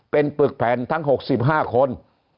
เป็นปึกแผ่นทั้ง๖๕คน